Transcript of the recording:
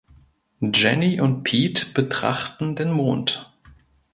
Jenny und Pete betrachten den Mond.